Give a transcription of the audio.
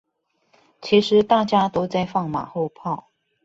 其實大家都在放馬後炮！